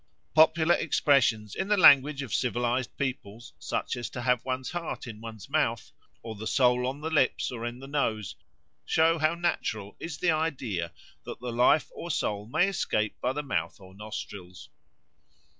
Popular expressions in the language of civilised peoples, such as to have one's heart in one's mouth, or the soul on the lips or in the nose, show how natural is the idea that the life or soul may escape by the mouth or nostrils.